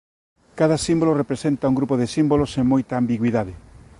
Cada símbolo representa un grupo de símbolos sen moita ambigüidade.